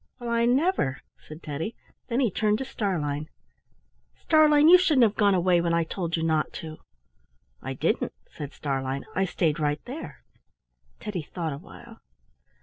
"Well, I never!" said Teddy. Then he turned to Starlein. "Starlein, you shouldn't have gone away when I told you not to." "I didn't," said Starlein. "I stayed right there." Teddy thought awhile.